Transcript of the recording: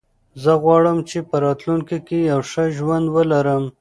زه غواړم چې په راتلونکي کې یو ښه ژوند ولرم.